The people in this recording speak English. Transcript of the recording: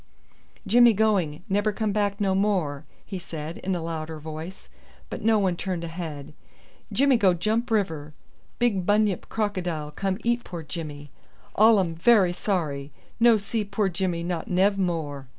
"Jimmy going; nebber come back no more," he said in a louder voice; but no one turned a head. "Jimmy go jump river. Big bunyip crocodile come eat poor Jimmy. All um very sorry. No see poor Jimmy not nev more."